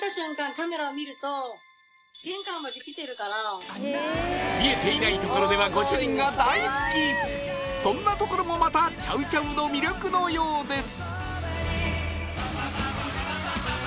カメラを見ると玄関まで来てるから見えていないところではご主人が大好きそんなところもまたチャウ・チャウの魅力のようです